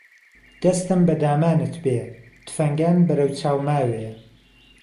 دهستم به دامانت بێ تفهنگان بهرهو چاو ماوێ